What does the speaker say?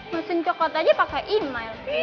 mesin coklat aja pakai email